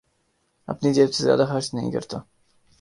اپنی جیب سے زیادہ خرچ نہیں کرتا